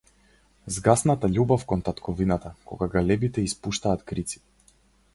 Згасната љубов кон татковината, кога галебите испуштаат крици.